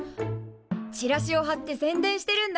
チラシをはって宣伝してるんだ。